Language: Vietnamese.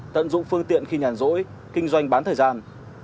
tận dụng phương tiện khi nhàn rỗi kinh doanh bán thời gian